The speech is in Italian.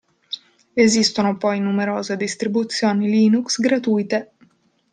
Esistono poi numerose distribuzioni Linux gratuite.